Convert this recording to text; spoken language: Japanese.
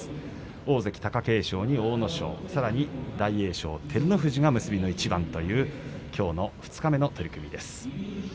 大関貴景勝に阿武咲さらに大栄翔、照ノ富士結びのいちばんというきょうの二日目の取組です。